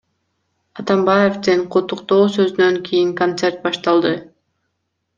Атамбаевдин куттуктоо сөзүнөн кийин концерт башталды.